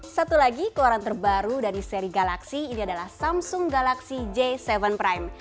satu lagi keluaran terbaru dari seri galaksi ini adalah samsung galaxy j tujuh prime